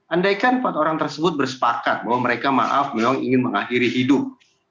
andaikan empat orang tersebut bersepakat bahwa mereka maaf memang ingin mengakhiri hidup